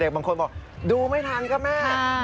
บางคนบอกดูไม่ทันก็แม่